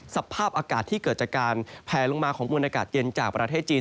สภาพอากาศที่เกิดจากการแผลลงมาของมวลอากาศเย็นจากประเทศจีน